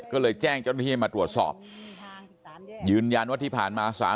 ก็เลยแจ้งจตุภิเฮียมาตรวจสอบยืนยันว่าที่ผ่านมา